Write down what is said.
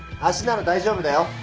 足なら大丈夫だよ。